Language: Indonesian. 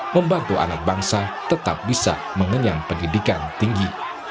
membantu anak bangsa tetap bisa mengenyam pendidikan tinggi